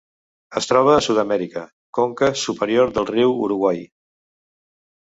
Es troba a Sud-amèrica: conca superior del riu Uruguai.